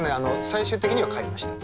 最終的には買いました。